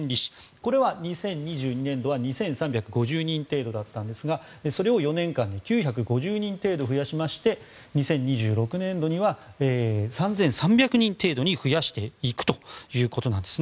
これは２０２２年度は２３５０人程度だったんですがそれを４年間で９５０人程度増やしまして２０２６年度には３３３０人程度に増やしていくということです。